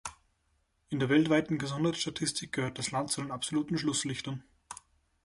In der weltweiten Gesundheitsstatistik gehört das Land zu den absoluten Schlusslichtern.